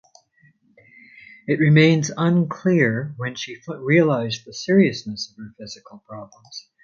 It remains unclear when she realised the seriousness of her physical problems.